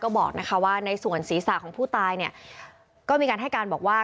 ก็บอกนะคะว่าในส่วนศีรษะของผู้ตายเนี่ยก็มีการให้การบอกว่า